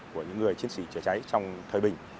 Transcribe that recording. của những người chiến sĩ chữa cháy trong thời bình